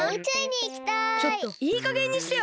ちょっといいかげんにしてよ！